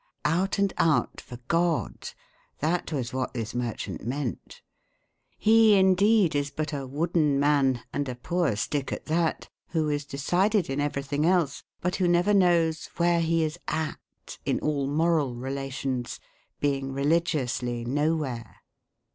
"Out and Out" for God that was what this merchant meant. He indeed is but a wooden man, and a poor stick at that, who is decided in everything else, but who never knows "where he is at" in all moral relations, being religiously nowhere.